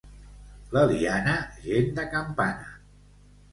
L'Eliana, gent de campana.